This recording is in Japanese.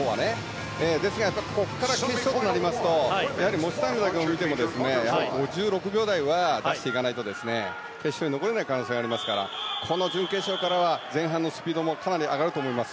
ですがここから決勝となりますとやはり持ちタイムなんかを見ても５６秒台を出していかないと決勝に残れない可能性がありますからこの準決勝からは前半のスピードもかなり上がると思います。